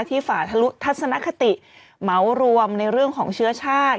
ฝ่าทะลุทัศนคติเหมารวมในเรื่องของเชื้อชาติ